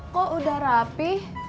kok udah rapih